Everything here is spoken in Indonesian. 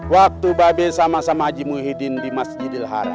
waktu babe sama sama haji muhyiddin di masjidil haram